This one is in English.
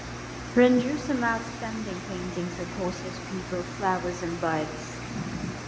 Ren drew some outstanding paintings of horses, people, flowers and birds.